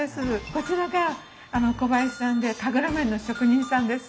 こちらが小林さんで神楽面の職人さんです。